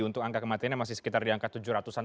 untuk angka kematiannya masih sekitar di angka tujuh ratus an